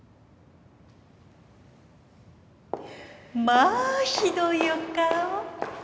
まあひどいお顔。